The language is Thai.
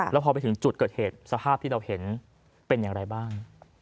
แล้วพอไปถึงจุดเกิดเหตุสภาพที่เราเห็นเป็นอย่างไรบ้าง